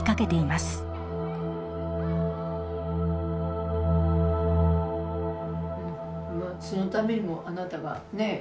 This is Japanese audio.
まあそのためにもあなたがねえ？